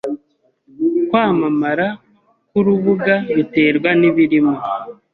Kwamamara kwurubuga biterwa nibirimo.